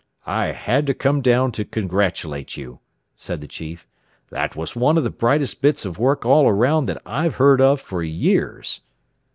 "I had to come down, to congratulate you," said the chief. "That was one of the brightest bits of work all round that I've heard of for years."